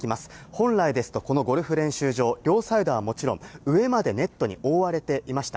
本来ですと、このゴルフ練習場、両サイドはもちろん、上までネットに覆われていました。